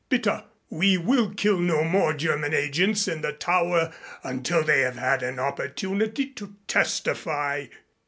Bitte, we will kill no more German agents in the Tower until they have had an opportunity to testify."